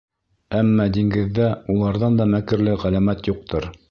Әммә диңгеҙҙә уларҙан да мәкерле ғәләмәт юҡтыр.